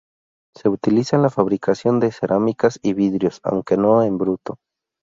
Se utiliza en la fabricación de cerámicas y vidrios, aunque no en bruto.